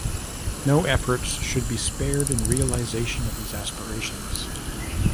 No efforts should be spared in realization of these aspirations.